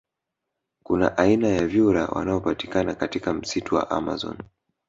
Kuna aina ya vyura wanaopatikana katika msitu wa amazon